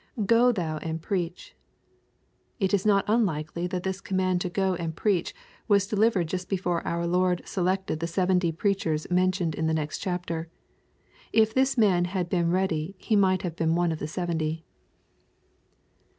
[€h ihou a/nd preach^ It is not unlikely that tlds command to go and preach was delivered just before our Lord selected the seventy preachers mentions i in the xm&xK chapter. If this man had been ready he might have been ono i^* #he seventy.